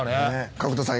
角田さん。